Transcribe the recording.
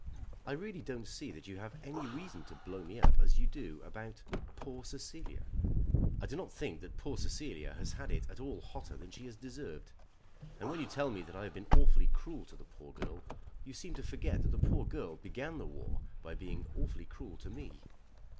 "I really don't see that you have any reason to blow me up as you do about 'poor Cecilia.' I do not think that poor Cecilia has had it at all hotter than she has deserved; and when you tell me that I have been awfully cruel to the poor girl, you seem to forget that the poor girl began the war by being awfully cruel to me.